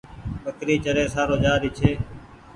ٻڪري چري سارو جآ ري ڇي۔